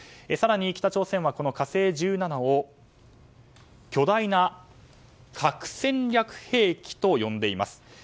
更に北朝鮮は「火星１７」を巨大な核戦略兵器と呼んでいます。